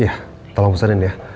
iya tolong pesenin ya